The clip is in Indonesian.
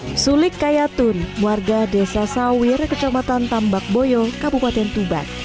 hai sulit kayatun warga desa sawir kecamatan tambak boyo kabupaten tuban